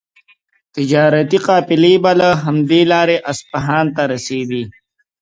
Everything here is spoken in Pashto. تجارتي قافلې به له همدې لارې اصفهان ته رسېدې.